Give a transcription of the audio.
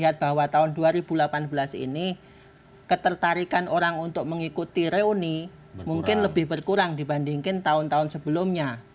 kita lihat bahwa tahun dua ribu delapan belas ini ketertarikan orang untuk mengikuti reuni mungkin lebih berkurang dibandingkan tahun tahun sebelumnya